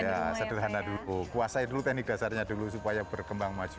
ya sederhana dulu kuasai dulu teknik dasarnya dulu supaya berkembang maju